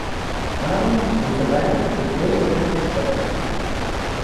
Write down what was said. Daarom moeten wij op deze weg verdergaan.